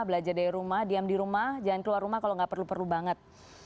belajar dari rumah diam di rumah jangan keluar rumah kalau nggak perlu perlu banget